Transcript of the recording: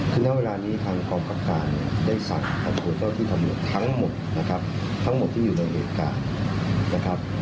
ตอนนี้ทางกรอบการได้สั่งอันโหลดเจ้าที่ทำโยชน์ทั้งหมดทั้งหมดที่อยู่ในเหตุการณ์